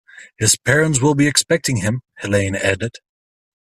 "His parents will be expecting him," Helene added.